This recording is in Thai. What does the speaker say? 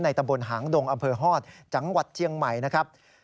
ตำบลหางดงอำเภอฮอตจังหวัดเชียงใหม่นะครับ